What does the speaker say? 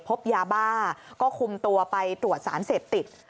พบยาบ้าก็คุมตัวไปตรวจสารเสพติด